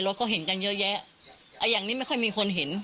ก็เห็นกันเยอะแยะอย่างนี้ไม่ค่อยมีคนเห็น